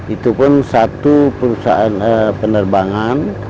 itu pun satu perusahaan penerbangan